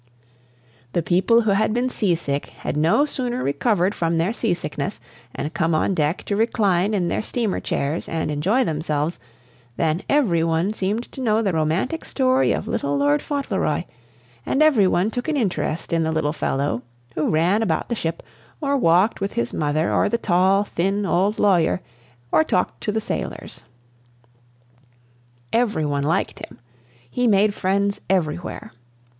The people who had been seasick had no sooner recovered from their seasickness, and come on deck to recline in their steamer chairs and enjoy themselves, than every one seemed to know the romantic story of little Lord Fauntleroy, and every one took an interest in the little fellow, who ran about the ship or walked with his mother or the tall, thin old lawyer, or talked to the sailors. Every one liked him; he made friends everywhere.